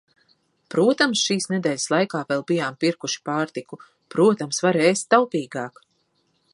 Protams, šīs nedēļas laikā vēl bijām pirkuši pārtiku, protams, var ēst taupīgāk.